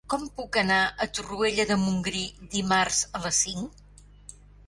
Com puc anar a Torroella de Montgrí dimarts a les cinc?